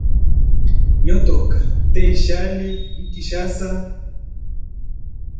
Myotoka ite ishali mu Kinshasa.